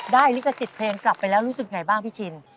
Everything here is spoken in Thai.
ลิขสิทธิ์เพลงกลับไปแล้วรู้สึกไงบ้างพี่ชิน